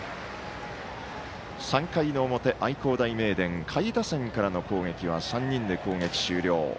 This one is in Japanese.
３回の表、愛工大名電下位打線からの攻撃は３人で攻撃終了。